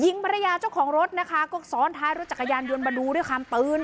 ภรรยาเจ้าของรถนะคะก็ซ้อนท้ายรถจักรยานยนต์มาดูด้วยความตื่น